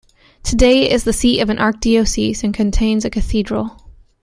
Today it is the seat of an archdiocese, and contains a cathedral.